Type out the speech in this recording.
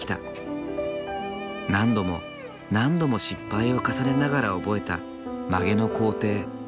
何度も何度も失敗を重ねながら覚えた曲げの工程。